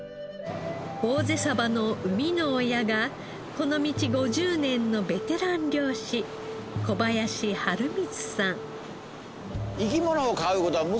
ぼうぜの生みの親がこの道５０年のベテラン漁師小林春光さん。